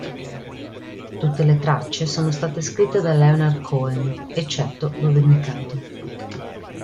Tutte le tracce sono state scritte da Leonard Cohen, eccetto dove indicato.